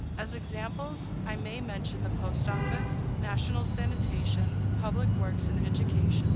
As examples, I may mention the post office, national sanitation, public works, and education.